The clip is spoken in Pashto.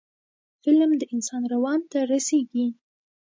فلم د انسان روان ته رسیږي